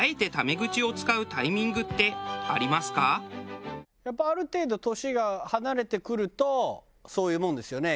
お二人もやっぱある程度年が離れてくるとそういうもんですよね？